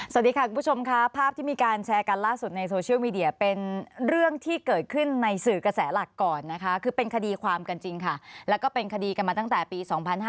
สวัสดีค่ะคุณผู้ชมค่ะภาพที่มีการแชร์กันล่าสุดในโซเชียลมีเดียเป็นเรื่องที่เกิดขึ้นในสื่อกระแสหลักก่อนนะคะคือเป็นคดีความกันจริงค่ะแล้วก็เป็นคดีกันมาตั้งแต่ปี๒๕๕๙